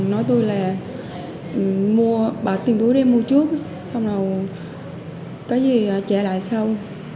nói tôi là mua bạc tiền túi đem mua trước xong rồi cái gì trả lại sau